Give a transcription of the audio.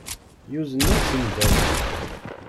Yuzen-asen-d awal.